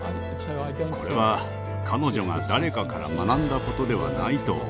これは彼女が誰かから学んだことではないと思います。